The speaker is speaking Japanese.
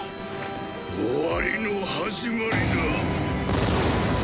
終わりの始まりだ。